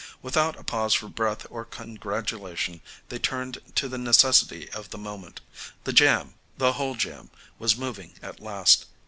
Without a pause for breath or congratulation they turned to the necessity of the moment. The jam, the whole jam, was moving at last.